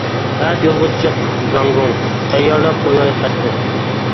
ئەتە يولغا چىق گاڭگۇڭ، تەييارلاپ قوياي خەتنى.